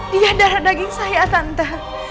dia darah daging saya santa